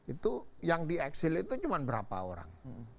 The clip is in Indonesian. itu yang di eksil itu cuma berapa orang